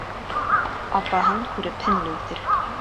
Апаһын күреп һеңле үҫер.